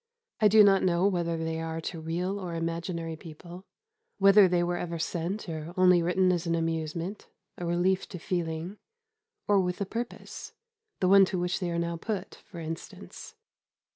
I do not know whether they are to real or imaginary people, whether they were ever sent or only written as an amusement, a relief to feeling, or with a purpose the one to which they are now put, for instance.